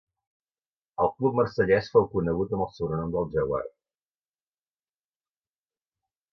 Al club marsellès fou conegut amb el sobrenom del jaguar.